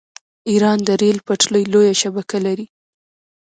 ایران د ریل پټلۍ لویه شبکه لري.